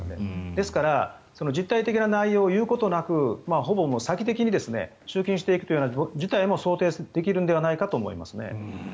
ですから実体的な内容を言うことなくほぼ詐欺的に集金していくという事態も想定できると思います。